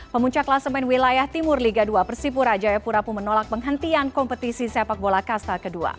pemuncak kelasemen wilayah timur liga dua persipura jayapura pun menolak penghentian kompetisi sepak bola kasta kedua